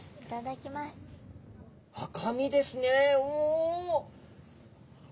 赤身ですね。